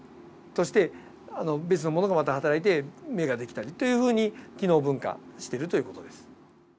そして別の物がはたらいて目ができたりというふうに機能分化しているという事です。